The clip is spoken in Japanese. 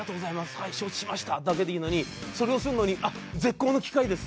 はい承知しました！」だけでいいのに「それをするのに絶好の機会です」。